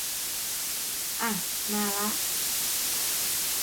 อะ มาละ